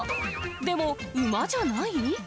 でも、馬じゃない？